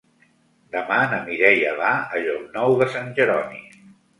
Demà na Mireia va a Llocnou de Sant Jeroni.